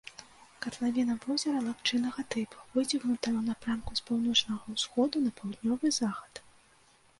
Катлавіна возера лагчыннага тып, выцягнутая ў напрамку з паўночнага ўсходу на паўднёвы захад.